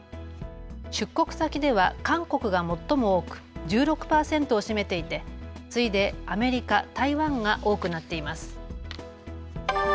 出国先では韓国が最も多く１６％を占めていて、次いでアメリカ、台湾が多くなっています。